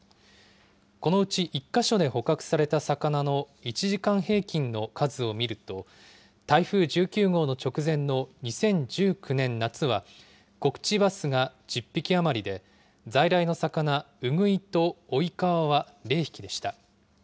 このうち１か所で捕獲された魚の１時間平均の数を見ると、台風１９号の直前の２０１９年夏はコクチバスが１０匹余りで、在来の魚、ウグイとオイカワは０匹でした。